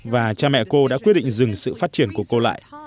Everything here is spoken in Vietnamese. và cha mẹ cô đã quyết định dừng sự phát triển của cô lại